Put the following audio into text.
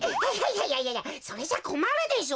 いやいやそれじゃこまるでしょ？